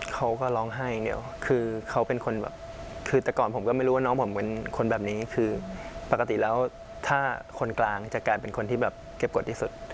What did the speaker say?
เขาก็ร้องไห้อย่างเดียวคือเขาเป็นคนแบบคือแต่ก่อนผมก็ไม่รู้ว่าน้องผมเป็นคนแบบนี้คือปกติแล้วถ้าคนกลางจะกลายเป็นคนที่แบบเก็บกฎที่สุด